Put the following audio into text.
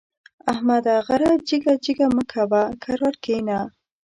احمده! غره جګه جګه مه کوه؛ کرار کېنه.